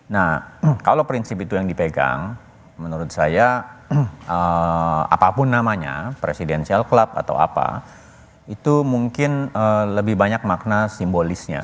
nah kalau prinsip itu yang dipegang menurut saya apapun namanya presidensial club atau apa itu mungkin lebih banyak makna simbolisnya